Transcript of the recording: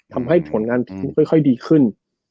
ทำให้ผลงานทีมค่อยดีขึ้น